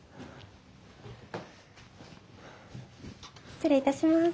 失礼いたします。